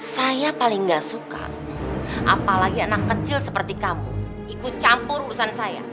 saya paling gak suka apalagi anak kecil seperti kamu ikut campur urusan saya